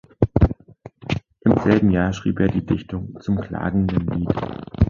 Im selben Jahr schrieb er die Dichtung zum "Klagenden Lied".